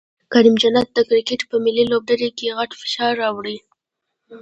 کریم جنت د کرکټ په ملي لوبډلې غټ فشار راوړي